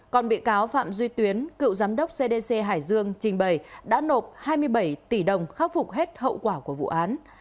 còn bị cáo phạm duy tuyến cựu giám đốc cdc hải dương trình bày đã nộp hai mươi bảy tỷ đồng khắc phục hết hậu quả của vụ án